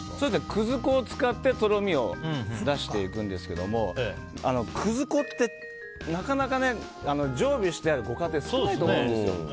葛粉を使ってとろみを出していくんですけども葛粉って、なかなか常備してあるご家庭は少ないと思うんですよ。